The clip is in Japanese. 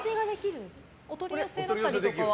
お取り寄せだったりとかは？